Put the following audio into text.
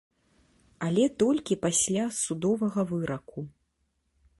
Але толькі пасля судовага выраку.